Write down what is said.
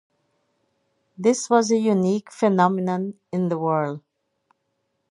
This was a unique phenomenon in the world.